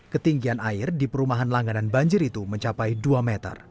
ketinggian air di perumahan langganan banjir itu mencapai dua meter